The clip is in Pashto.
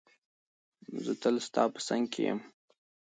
زه تل ستا په څنګ کې یم.